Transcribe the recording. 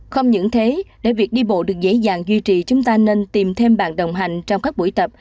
không những thế để việc đi bộ được dễ dàng duy trì chúng ta nên tìm thêm bạn đồng hành trong các buổi tập